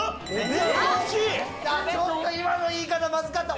ちょっと今の言い方マズかった。